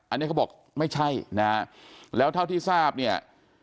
อันนี้เขาบอกไม่ใช่นะฮะแล้วเท่าที่ทราบเนี่ย